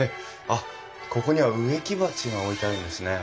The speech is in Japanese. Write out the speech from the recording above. あっここには植木鉢が置いてあるんですね。